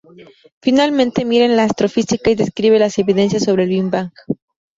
Finalmente, mira en la astrofísica y describe las evidencias sobre el Big Bang.